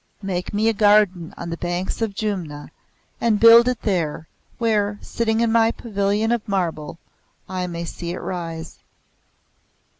Make me a garden on the banks of Jumna, and build it there, where, sitting in my Pavilion of Marble, I may see it rise."